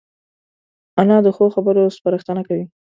انا د ښو خبرو سپارښتنه کوي